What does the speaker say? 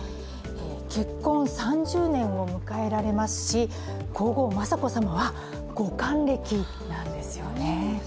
結婚３０年を迎えられますし、皇后雅子さまはご還暦なんですよね。